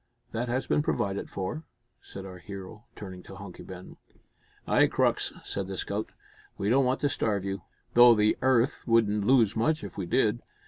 "That has been provided for," said our hero, turning to Hunky Ben. "Ay, Crux," said the scout, "we don't want to starve you, though the 'arth wouldn't lose much if we did.